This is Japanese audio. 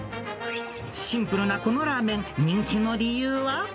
シンプルなこのラーメン、人気の理由は？